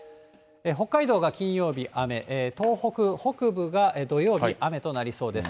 北海道が金曜日、雨、東北北部が土曜日、雨となりそうです。